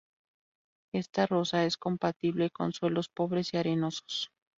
Esta rosa es compatible con suelos pobres y arenosos.